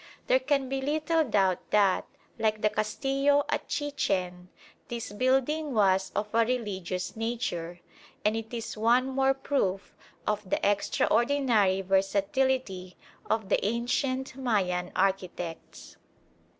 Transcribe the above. There can be little doubt that, like the Castillo at Chichen, this building was of a religious nature, and it is one more proof of the extraordinary versatility of the ancient Mayan architects.